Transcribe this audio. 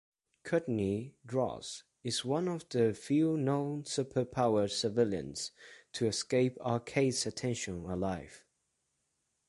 Courtney Ross is one of the few non-super-powered civilians to escape Arcade's attention alive.